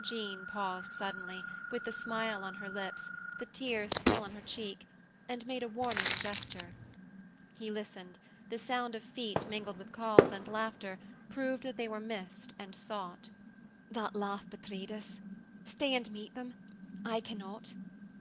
Jean paused suddenly, with the smile on her lips, the tears still on her cheek, and made a warning gesture. He listened: the sound of feet mingled with calls and laughter proved that they were missed and sought. "That laugh betrayed us. Stay and meet them. I cannot."